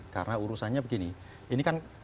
karena urusannya begini ini kan